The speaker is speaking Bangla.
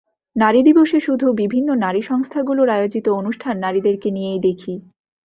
নারী দিবসে শুধু বিভিন্ন নারী সংস্থাগুলোর আয়োজিত অনুষ্ঠান নারীদেরকে নিয়েই দেখি।